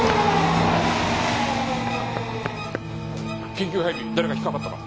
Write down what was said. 緊急配備誰か引っかかったか？